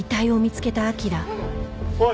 おい！